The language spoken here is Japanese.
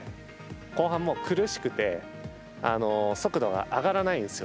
後半もう苦しくて速度が上がらないんですよ。